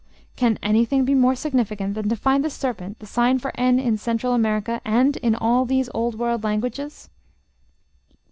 Can anything be more significant than to find the serpent the sign for n in Central America, and in all these Old World languages?